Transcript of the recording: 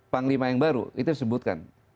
panglima yang baru itu disebutkan